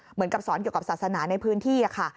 เหมือนกับสอนเกี่ยวกับศาสนาในพื้นที่ค่ะ